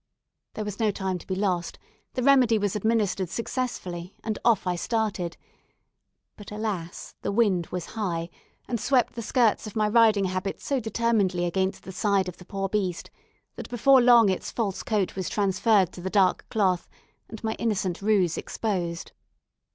There was no time to be lost; the remedy was administered successfully, and off I started; but, alas! the wind was high and swept the skirts of my riding habit so determinedly against the side of the poor beast, that before long its false coat was transferred to the dark cloth, and my innocent ruse exposed.